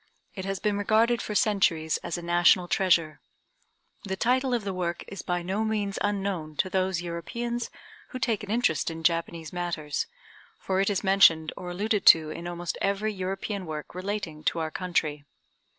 It has been regarded for centuries as a national treasure. The title of the work is by no means unknown to those Europeans who take an interest in Japanese matters, for it is mentioned or alluded to in almost every European work relating to our country.